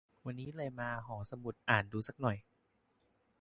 วันนี้เลยมาหอสมุดอ่านดูสักหน่อย